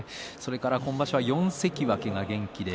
今場所は４関脇が元気です。